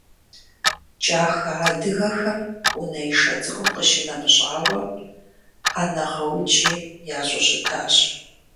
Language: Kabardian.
КӀахэ адыгэхэм унэишэ цӀыкӀум къищынэмыщӀауэ, Ӏэнэгъэуджи ящӀу щытащ.